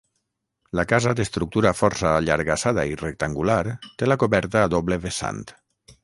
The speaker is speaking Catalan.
La casa, d'estructura força allargassada i rectangular té la coberta a doble vessant.